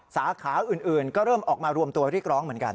สาขาอื่นก็เริ่มออกมารวมตัวเรียกร้องเหมือนกัน